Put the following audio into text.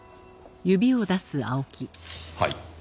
はい。